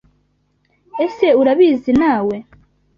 Ese Urabizi nawe, ?